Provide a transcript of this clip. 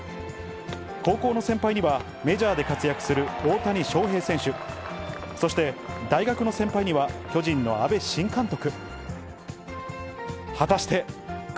高校の先輩には、メジャーで活躍する大谷翔平選手、そして大学の先輩には巨人の阿部新監督。